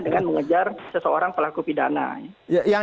dengan mengejar seseorang pelaku pidana